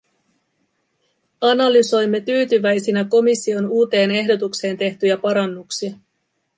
Analysoimme tyytyväisinä komission uuteen ehdotukseen tehtyjä parannuksia.